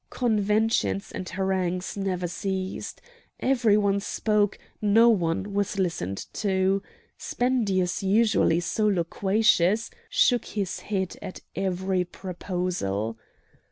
Conventions and harangues never ceased. Every one spoke, no one was listened to; Spendius, usually so loquacious, shook his head at every proposal.